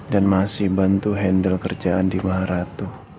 dan masih bantu handle kerja andi maharatu